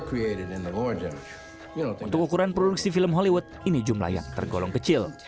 untuk ukuran produksi film hollywood ini jumlah yang tergolong kecil